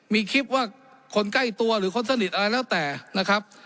มีคลิปว่าคนใกล้ตัวหรือคนสนิทอะไรแล้วแต่นะครับ